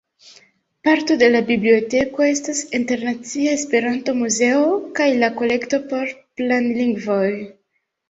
Parto de la biblioteko estas la Internacia Esperanto-Muzeo kaj la Kolekto por Planlingvoj.